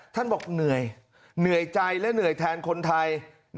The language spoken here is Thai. ท่านบอกเหนื่อยเหนื่อยใจและเหนื่อยแทนคนไทย